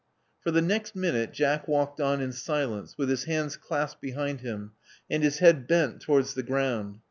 For the next minute Jack walked on in silence, with his hands clasped behind him, and his head bent towards the ground.